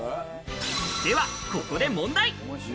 ではここで問題。